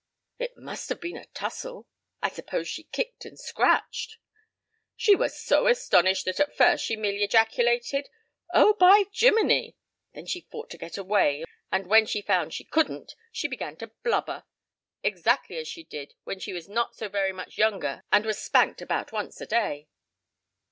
"It must have been a tussle. I suppose she kicked and scratched?" "She was so astonished that at first she merely ejaculated: 'Oh, by Jimminy!' Then she fought to get away and when she found she couldn't she began to blubber, exactly as she did when she was not so very much younger and was spanked about once a day.